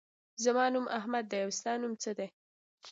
زما نوم احمد دی. او ستا نوم څه دی؟